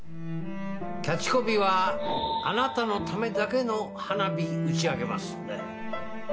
キャッチコピーは「あなたのためだけの花火打ち上げます」。